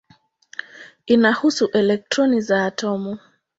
Inahusu elektroni za atomu.